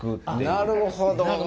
なるほど。